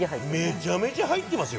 めちゃめちゃ入ってますよ。